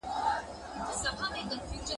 اقتصادي تعاون د ټولني ثبات ساتي.